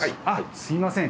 すいません